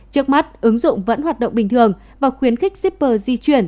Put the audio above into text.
trước mắt ứng dụng vẫn hoạt động bình thường và khuyến khích shipper di chuyển